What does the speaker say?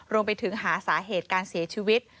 รวมไปถึงหาสาเหตุการเสียชีวิต